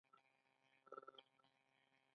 بندیزونو د ایران اقتصاد ځپلی دی.